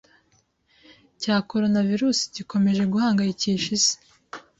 cya Caronavirus gikomeje guhangayikisha Isi,